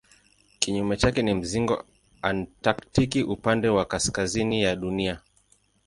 Kinyume chake ni mzingo antaktiki upande wa kaskazini ya Dunia.